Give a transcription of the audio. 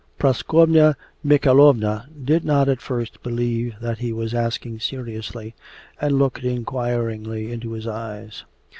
Praskovya Mikhaylovna did not at first believe that he was asking seriously, and looked inquiringly into his eyes.